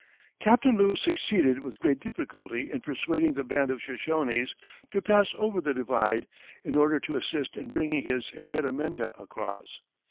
Captain Lewis succeeded with great difficulty in persuading the band of Shoshones to pass over the divide in order to assist in bringing his impedimenta across.